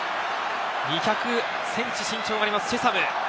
２００センチ身長があります、チェサム。